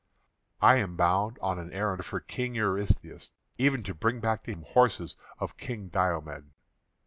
"I am bound on an errand for King Eurystheus; even to bring back to him horses of King Diomed."